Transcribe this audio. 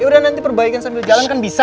yaudah nanti perbaikan sambil jalan kan bisa